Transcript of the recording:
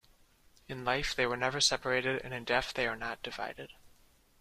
In life they were never separated and in death they are not divided.